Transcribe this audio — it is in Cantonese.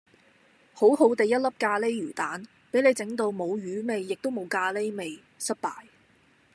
好好哋一粒咖喱魚蛋，俾你整到冇魚味亦都冇咖喱味，失敗